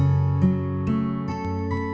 aku ngerjain pr dulu aja